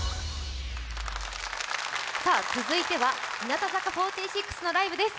続いては日向坂４６のライブです。